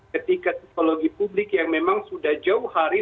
ketika psikologi publik yang memang sudah jauh hari